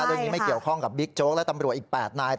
เรื่องนี้ไม่เกี่ยวข้องกับบิ๊กโจ๊กและตำรวจอีก๘นาย